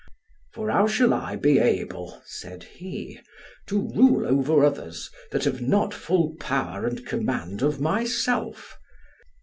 For how shall I be able, said he, to rule over others, that have not full power and command of myself?